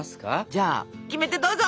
じゃあキメテどうぞ！